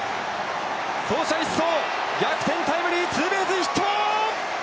走者一掃逆転タイムリーツーベースヒット！